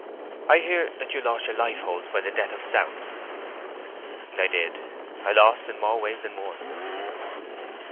I hear that you lost your life holds by the death of South?" "I did. I lost in more ways than one."